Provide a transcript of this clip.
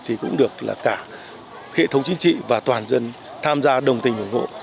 thì cũng được cả hệ thống chính trị và toàn dân tham gia đồng tình ủng hộ